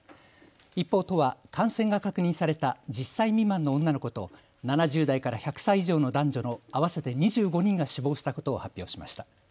一方、都は感染が確認された１０歳未満の女の子と７０代から１００歳以上の男女の合わせて２５人が死亡したことを発表しました。